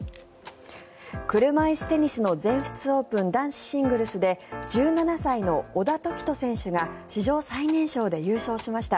車いすテニスの全仏オープン男子シングルスで１７歳の小田凱人選手が史上最年少で優勝しました。